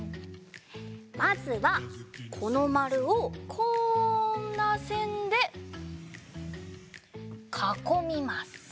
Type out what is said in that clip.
まずはこのまるをこんなせんでかこみます。